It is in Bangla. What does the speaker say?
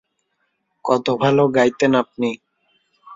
কতো ভালো গাইতেন আপনি।